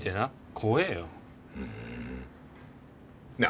怖えよふんなあ